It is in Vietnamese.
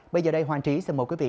bây giờ đây hoàng trí xin mời quý vị